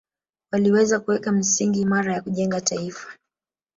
Waliweza kuweka misingi imara ya kujenga taifa